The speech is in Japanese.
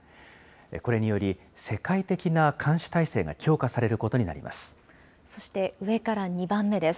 これにより、世界的な監視態勢が強化されることになります。